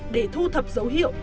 để thu thập dấu hiệu